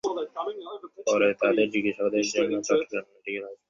পরে তাঁদের জিজ্ঞাসাবাদের জন্য আটক করে চট্টগ্রাম মেডিকেল কলেজ হাসপাতালে নেওয়া হয়েছে।